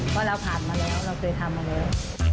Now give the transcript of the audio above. เพราะเราผ่านมาแล้วเราเคยทำมาแล้ว